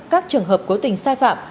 các trường hợp cố tình sai phạm